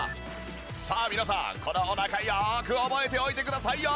さあ皆さんこのお腹よーく覚えておいてくださいよ！